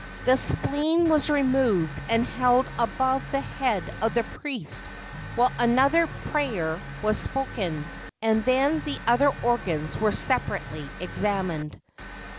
The spleen was removed and held above the head of the priest while another prayer was spoken, and then the other organs were separately examined.